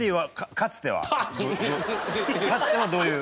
かつてはどういう？